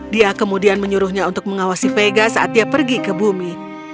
dia kemudian menyuruhnya untuk mengawasi vega saat dia pergi ke bumi